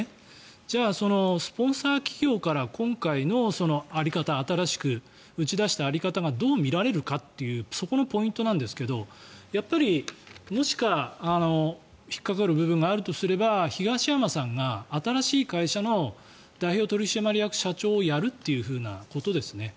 じゃあ、スポンサー企業から今回の在り方新しく打ち出した在り方がどう見られるかというそこのポイントなんですけどもしくは引っかかる部分があるとすれば東山さんが新しい会社の代表取締役社長をやるっていうことですね。